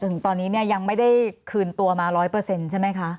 ถึงตอนนี้เนี่ยยังไม่ได้คืนตัวมา๑๐๐ใช่ไหมคะ